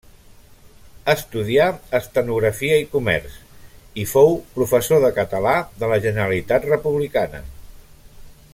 Estudià estenografia i comerç, i fou professor de català de la Generalitat Republicana.